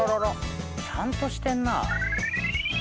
ちゃんとしてんな。